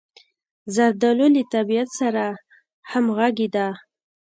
زردالو له طبعیت سره همغږې ده.